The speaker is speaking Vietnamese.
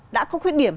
đã có khuyết điểm